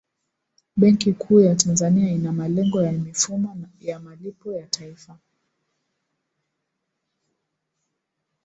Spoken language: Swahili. benki kuu ya tanzania ina malengo ya mifumo ya malipo ya taifa